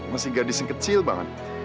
masih gadis yang kecil banget